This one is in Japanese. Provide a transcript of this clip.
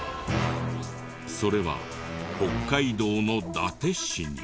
それは北海道の伊達市に。